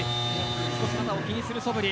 少し肩を気にするそぶり。